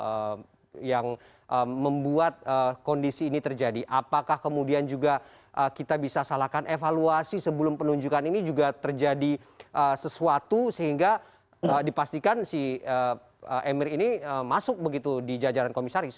apa yang membuat kondisi ini terjadi apakah kemudian juga kita bisa salahkan evaluasi sebelum penunjukan ini juga terjadi sesuatu sehingga dipastikan si emir ini masuk begitu di jajaran komisaris